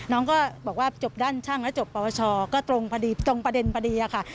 น้องก็บอกว่าจบด้านช่างและจบปวชก็ตรงประเด็นพอดีค่ะ